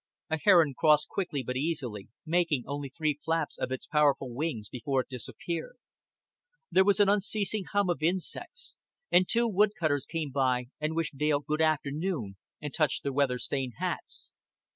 A heron crossed quickly but easily, making only three flaps of its powerful wings before it disappeared; there was an unceasing hum of insects; and two wood cutters came by and wished Dale good afternoon and touched their weather stained hats.